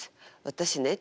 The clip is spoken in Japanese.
私ね